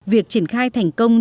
việc triển khai thành công